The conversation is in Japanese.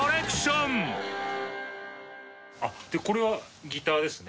これはギターですね。